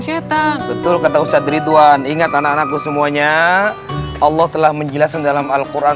syetan betul kata ustadz ridwan ingat anak anakku semuanya allah telah menjelaskan dalam alquran